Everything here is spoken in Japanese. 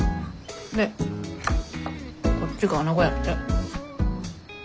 でこっちがアナゴやって。